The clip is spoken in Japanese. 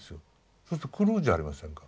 そうすると狂うじゃありませんか。